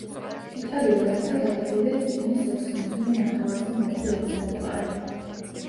იტალიურ ენაზე გაყიდულია წიგნის ექვს მილიონ ნახევარზე მეტი ეგზემპლარი.